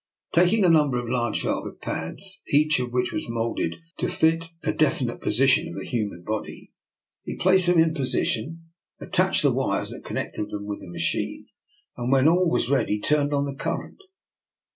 Taking a number of large velvet pads, each of which was moulded to fit a definite portion of the human body, he placed them in position, attached the wires that connected them with the machine, and when all was ready turned on the current.